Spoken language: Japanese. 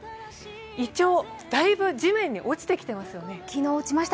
いちょう、だいぶ地面に落ちてきていますよね。